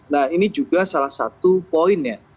nah ini juga salah satu poinnya